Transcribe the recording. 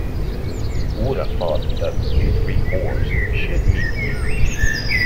Who would have thought that we three whores should meet here.